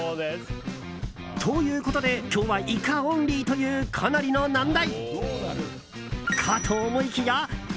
ということで今日はイカオンリーというかなりの難題。